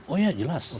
oh ya jelas